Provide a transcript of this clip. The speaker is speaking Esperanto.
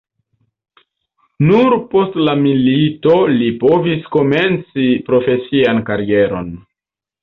Nur post la milito li povis komenci profesian karieron.